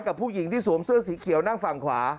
กับผู้หญิงที่สวมเสื้อสีเขียวนั่งฝั่งขวา